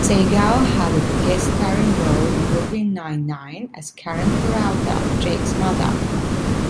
Sagal had a guest-starring role in "Brooklyn Nine-Nine" as Karen Peralta, Jake's mother.